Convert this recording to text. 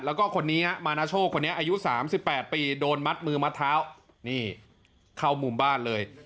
แล้วก็คนนี้ฮะมานาโชคคนนี้อายุ๓๘ปีโดนมัดมือมัดเท้านี่เข้ามุมบ้านเลย